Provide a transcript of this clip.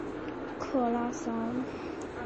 克拉桑。